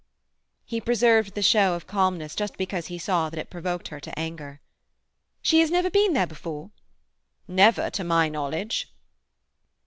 He preserved the show of calmness just because he saw that it provoked her to anger. "She has never been there before?" "Never to my knowledge."